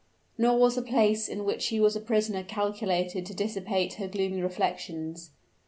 Nor was the place in which she was a prisoner calculated to dissipate her gloomy reflections.